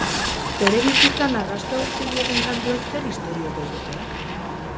Bere bizitzan arrastoa utzi dioten kantuek zer istorio ote dute?